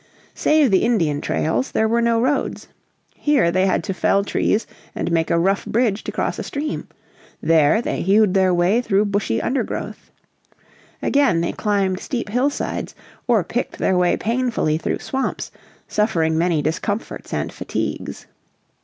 Save the Indian trails there were no roads. Here they had to fell trees and make a rough bridge to cross a stream; there they hewed their way through bushy undergrowth. Again they climbed steep hillsides or picked their way painfully through swamps, suffering many discomforts and fatigues.